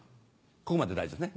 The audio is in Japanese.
ここまで大丈夫ですね？